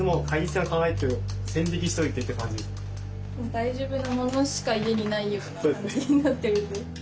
大丈夫なものしか家にないような感じになってるんで。